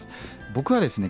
僕はですね